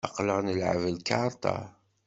Aql-aɣ nleɛɛeb lkarṭa.